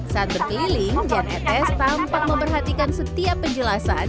saat berkeliling john etes tampak memperhatikan setiap penjelasan